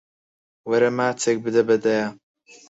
وەرە ماچێک بدە بە دایە.